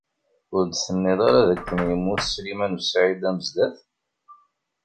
Ur d-tennid ara dakken yemmut Sliman u Saɛid Amezdat?